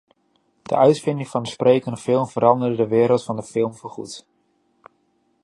De uitvinding van de sprekende film veranderde de wereld van de film voorgoed.